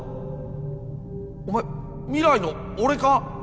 お前未来の俺か？